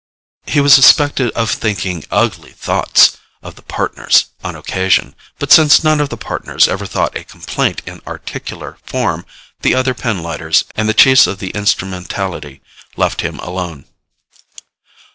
He was suspected of thinking ugly thoughts of the Partners on occasion, but since none of the Partners ever thought a complaint in articulate form, the other pinlighters and the Chiefs of the Instrumentality left him alone.